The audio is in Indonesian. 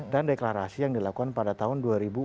deklarasi yang dilakukan pada tahun dua ribu empat belas